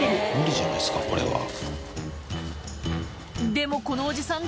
でもこのおじさん